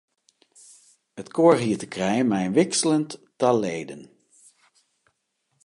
It koar hie te krijen mei in wikseljend tal leden.